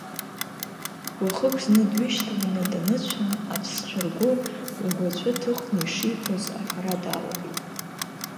Уахык зны дҩышьҭаланы даныцәа, аԥсцәа ргәы, ргәаҵәы ҭыхны ишифоз аҳәара далагеит.